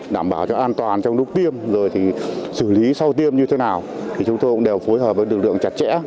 đảm bảo cho an toàn trong lúc tiêm rồi thì xử lý sau tiêm như thế nào thì chúng tôi cũng đều phối hợp với lực lượng chặt chẽ